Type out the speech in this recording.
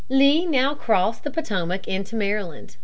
Lee now crossed the Potomac into Maryland.